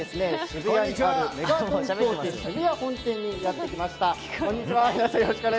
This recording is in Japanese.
渋谷本店にやってきました。